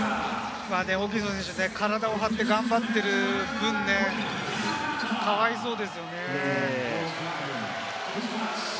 体を張って頑張っている分ね、かわいそうですよね。